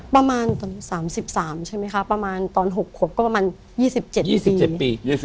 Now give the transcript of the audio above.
ประมาณ๓๓ใช่ไหมคะประมาณตอน๖ขวบก็ประมาณ๒๗๒๗ปี